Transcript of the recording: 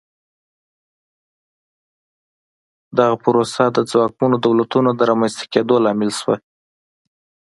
دغه پروسه د ځواکمنو دولتونو د رامنځته کېدو لامل شوه.